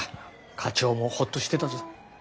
課長もホッとしてたぞ。